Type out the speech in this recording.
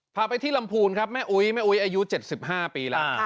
พาไปที่ลำพูนครับแม่อุ๊ยแม่อุ๊ยอายุ๗๕ปีแล้ว